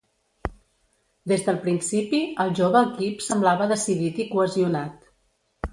Des del principi, el jove equip semblava decidit i cohesionat.